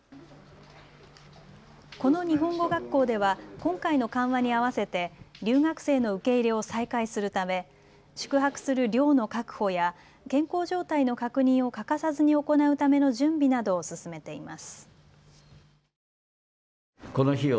この日本語学校では今回の緩和に合わせて留学生の受け入れを再開するため宿泊する寮の確保や健康状態の確認を欠かさずに行うための準備などを進めています。